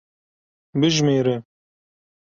Bijimêre.